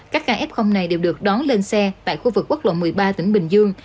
các kf này đều được đón lên xe tại khu vực quốc lộ một mươi ba tỉnh bình dương